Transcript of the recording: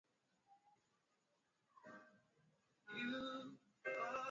Ngombe wanaweza kupata ugonjwa kwa kuumwa na ndorobo